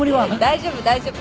大丈夫大丈夫。